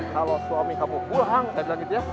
kalau suami kamu pulang lihat lagi tia